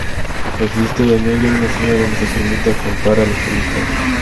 Existe en ella una zona donde se permite acampar a los turistas.